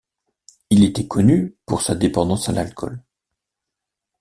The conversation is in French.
Il était connu pour sa dépendance à l'alcool.